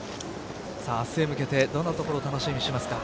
明日へ向けてどんなところ楽しみにしますか。